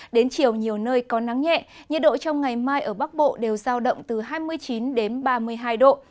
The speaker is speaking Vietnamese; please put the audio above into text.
đến chiều nhiều nơi có nắng nhẹ nhiệt độ trong ngày mai ở bắc bộ đều giao động từ hai mươi chín đến ba mươi hai độ